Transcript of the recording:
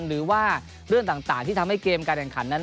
หรือว่าเรื่องต่างที่ทำให้เกมการแข่งขันนั้น